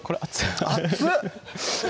熱っ！